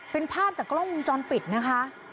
เป็นภาพจากกล้องวงจรปิดนะคะ